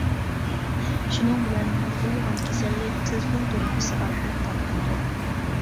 شۇنىڭ بىلەن نۇرغۇنلىغان كېسەللىك تېلېفون تۇرۇپكىسى ئارقىلىق تارقىلىدۇ.